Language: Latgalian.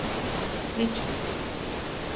Sliče.